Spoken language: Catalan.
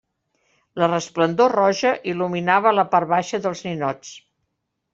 La resplendor roja il·luminava la part baixa dels ninots.